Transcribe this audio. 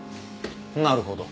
なるほど。